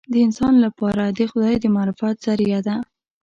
د انسان لپاره د خدای د معرفت ذریعه ده.